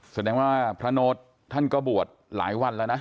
แสดงว่าพระโน้ตท่านก็บวชหลายวันแล้วนะ